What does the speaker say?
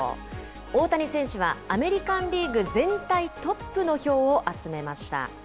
大谷選手はアメリカンリーグ全体トップの票を集めました。